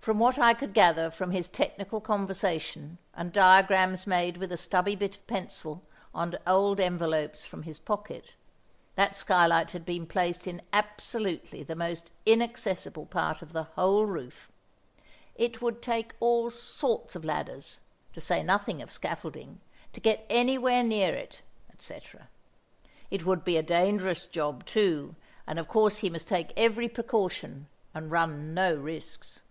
From what I could gather from his technical conversation, and diagrams made with a stubby bit of pencil on old envelopes from his pocket, that skylight had been placed in absolutely the most inaccessible part of the whole roof; it would take all sorts of ladders, to say nothing of scaffolding, to get anywhere near it, etc. It would be a dangerous job, too, and of course he must take every precaution and run no risks.